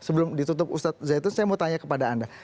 sebelum ditutup ustadz zaitun saya mau tanya kepada anda